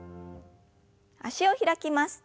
脚を開きます。